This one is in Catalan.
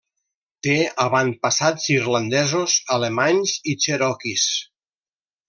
Té avantpassats irlandesos, alemanys i cherokees.